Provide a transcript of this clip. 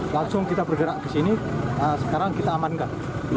langsung kita bergerak ke sini sekarang kita amankan